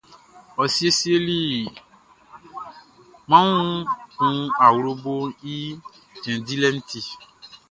Ɔ siesie kpanwun kun awloboʼn i cɛn dilɛʼn i ti.